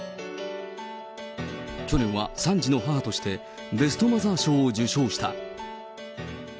去年は３児の母として、ベストマザー賞を受賞した。